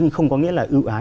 không có nghĩa là ưu ái